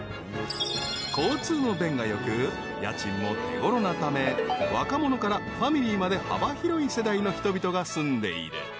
［交通の便がよく家賃も手ごろなため若者からファミリーまで幅広い世代の人々が住んでいる］